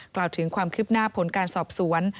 กล่าวถึงความคืบหน้าผลการสอบสวน